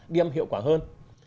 điêm hiệu quả hơn